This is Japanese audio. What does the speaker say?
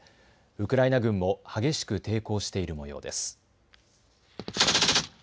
ウクライナ軍も激しく抵抗しているもようです。